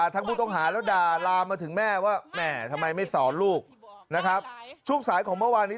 ทั้งผู้ต้องหาแล้วด่าลามมาถึงแม่ว่าแม่ทำไมไม่สอนลูกนะครับช่วงสายของเมื่อวานนี้